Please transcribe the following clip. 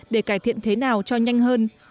để cải thiện thế nào cho nhanh hơn